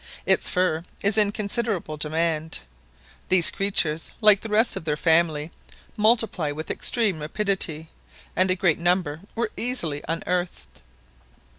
Its fur is in considerable demand. These creatures, like the rest of their family, multiply with extreme rapidity, and a great number were easily unearthed.